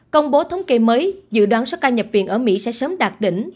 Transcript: công bố thống kê mới dự đoán số ca nhập viện ở mỹ sẽ sớm đạt đỉnh